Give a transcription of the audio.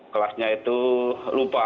kelasnya itu lupa